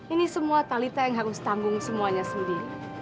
ini semua talita yang harus tanggung semuanya sendiri